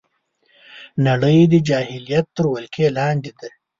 نړۍ د جاهلیت تر ولکې لاندې ده